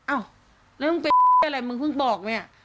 อ้าวเรื่องเป็นอะไรมึงเพิ่งบอกเนี่ย